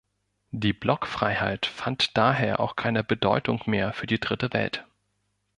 Die Blockfreiheit fand daher auch keine Bedeutung mehr für die Dritte Welt.